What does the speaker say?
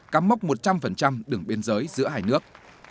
cắm mốc một trăm linh đường biên giới giữa hai nước